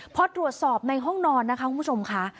พอตรวจสอบในห้องนอนนะคะคุณผู้ชมค่ะ